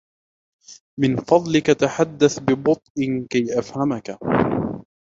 من فضلك تحدث ببطء, كي أفهمك.